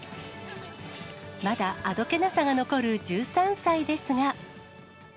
まだあどけなさが残る１３歳ですが。